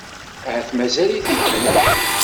Ahat mazal-it igen.